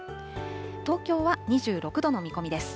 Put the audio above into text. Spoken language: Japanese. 東京は２６度の見込みです。